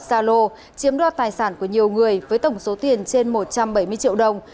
xa lô chiếm đo tài sản của nhiều người với tổng số tiền trên một trăm bảy mươi triệu đồng